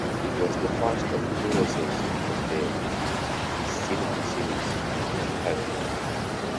It was the first of two races for the Xfinity Series at Kentucky.